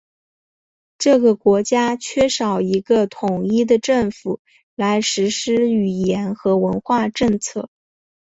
这个国家缺少一个统一的政府来实施语言和文化政策。